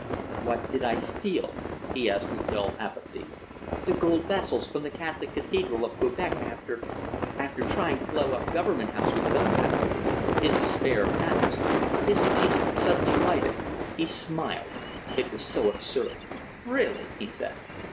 "What did I steal?" he asked with dull apathy. "The gold vessels from the Catholic Cathedral of Quebec, after after trying to blow up Government House with gunpowder." His despair passed. His face suddenly lighted. He smiled. It was so absurd. "Really!" he said.